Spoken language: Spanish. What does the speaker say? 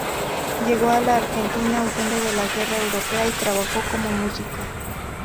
Llegó a la Argentina huyendo de la guerra europea y trabajó como músico.